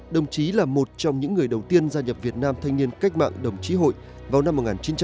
đồng chí là một trong những người đầu tiên gia nhập việt nam thanh niên cách mạng đồng chí hội vào năm một nghìn chín trăm bốn mươi